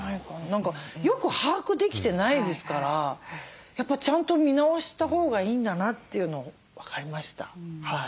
何かよく把握できてないですからやっぱちゃんと見直したほうがいいんだなっていうのを分かりました。